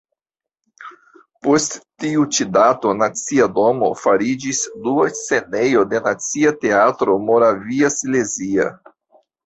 Post tiu ĉi dato Nacia domo fariĝis dua scenejo de Nacia teatro moraviasilezia.